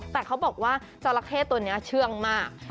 แต่เขาบอกว่าจราเข้ตัวนี้เชื่องมาก